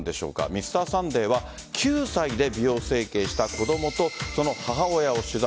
「Ｍｒ．サンデー」は９歳で美容整形した子供とその母親を取材。